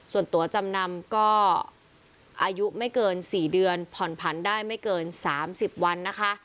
ส่วนตัวจำนำก็อายุไม่เกิน๔เดือนผ่อนผันได้ไม่เกิน๓๐วันนะคะ